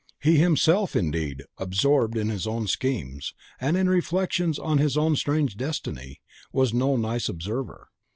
He himself, indeed, absorbed in his own schemes, and in reflections on his own strange destiny, was no nice observer.